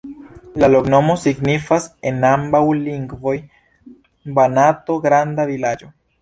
La loknomo signifas en ambaŭ lingvoj: Banato-granda-vilaĝo.